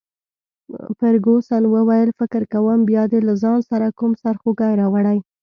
فرګوسن وویل: فکر کوم بیا دي له ځان سره کوم سرخوږی راوړی.